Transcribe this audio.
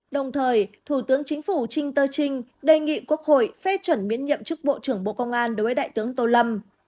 đồng thời thủ tướng chính phủ trinh tơ trinh đề nghị quốc hội phê chuẩn miễn nhiệm chức bộ trưởng bộ công an đối với đại tướng tô lâm